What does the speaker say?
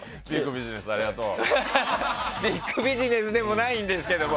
ビッグビジネスでもないんですけれど。